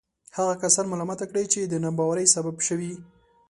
هغه کسان ملامته کړي چې د ناباورۍ سبب شوي.